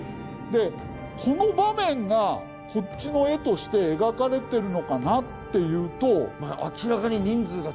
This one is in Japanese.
でこの場面がこっちの絵として描かれてるのかなっていうと。